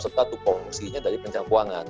serta fungsinya dari pencangkuangan